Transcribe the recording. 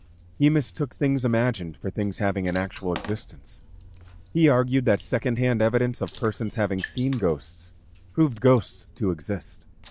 He mistook things imagined for things having an actual existence; he argued that second hand evidence of persons having seen ghosts proved ghosts to exist.